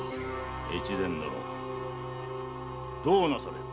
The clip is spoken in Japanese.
大岡殿どうなされる？